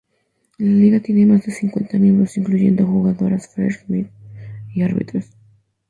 La liga tiene más de cincuenta miembros, incluyendo a jugadoras, "fresh meat" y árbitros.